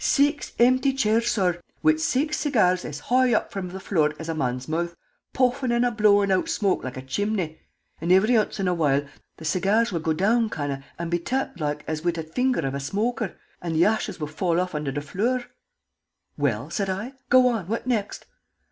"Six impty chairs, sorr, wid six segyars as hoigh up from the flure as a man's mout', puffin' and a blowin' out shmoke loike a chimbley! An' ivery oncet in a whoile the segyars would go down kind of an' be tapped loike as if wid a finger of a shmoker, and the ashes would fall off onto the flure!" "Well?" said I. "Go on. What next?"